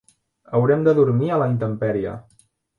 Haurem de dormir a la intempèrie.